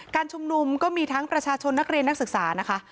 การชุมนุมก็มีทั้งประชาชนนักเรียนนักศึกษานะคะ